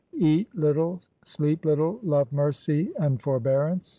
Eat little, sleep little, love mercy and forbearance.